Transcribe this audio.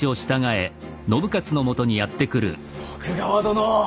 徳川殿！